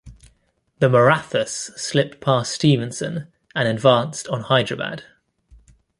The Marathas slipped past Stevenson and advanced on Hyderabad.